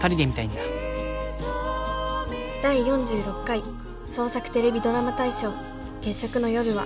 第４６回創作テレビドラマ大賞「月食の夜は」。